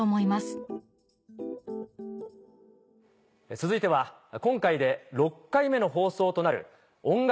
続いては今回で６回目の放送となる音楽